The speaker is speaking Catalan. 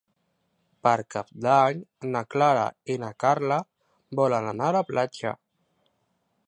Per Cap d'Any na Clara i na Carla volen anar a la platja.